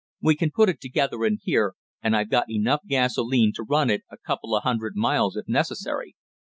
We can put it together in here, and I've got enough gasolene to run it a couple of hundred miles if necessary."